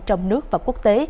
trong nước và quốc tế